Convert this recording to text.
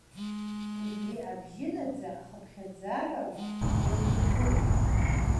Убри абжьынаӡа ахыԥхьаӡарала еилургоит.